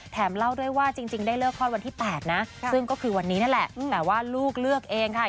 เล่าด้วยว่าจริงได้เลิกคลอดวันที่๘นะซึ่งก็คือวันนี้นั่นแหละแต่ว่าลูกเลือกเองค่ะ